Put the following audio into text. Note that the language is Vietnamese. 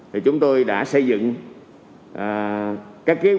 thì chúng tôi đã xây dựng các kế hoạch